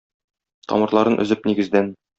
Тамырларын өзеп нигездән.